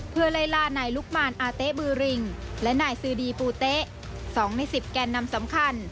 เพื่อเลยลาหน่ายลุกมารอาเต๊บือริงและหน่ายซืดีปูเต๊๒ใน๑๐การนำสำคัญ